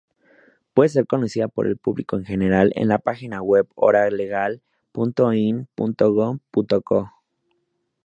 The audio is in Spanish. Puede ser conocida por el público general en la página web horalegal.inm.gov.co.